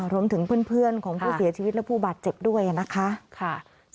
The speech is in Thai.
รวมถึงเพื่อนของผู้เสียชีวิตและผู้บาดเจ็บด้วยนะคะ